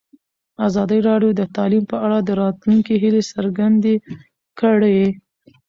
ازادي راډیو د تعلیم په اړه د راتلونکي هیلې څرګندې کړې.